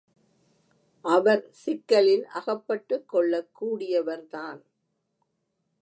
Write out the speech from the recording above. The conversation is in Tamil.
அவர் சிக்கலில் அகப்பட்டுக் கொள்ளகூடியவர்தான்.